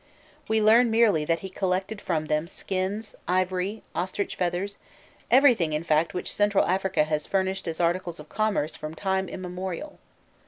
We learn merely that he collected from them skins, ivory, ostrich feathers everything, in fact, which Central Africa has furnished as articles of commerce from time immemorial.